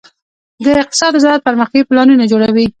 د اقتصاد وزارت پرمختیايي پلانونه جوړوي